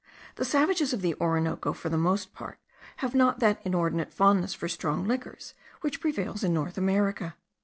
The savages of the Orinoco for the most part have not that inordinate fondness for strong liquors which prevails in North America.